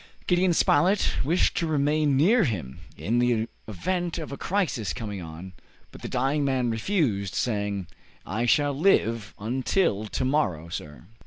Gideon Spilett wished to remain near him, in the event of a crisis coming on, but the dying man refused, saying, "I shall live until to morrow, sir."